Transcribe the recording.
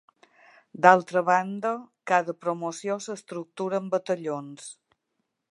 D'altra banda, cada promoció s'estructura en batallons.